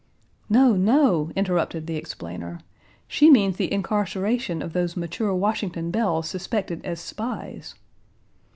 "No, no," interrupted the explainer, "she means the incarceration of those mature Washington belles suspected as spies."